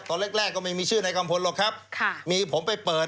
ตอนแรกก็ไม่มีชื่อนายกัมพลหรอกครับมีผมไปเปิด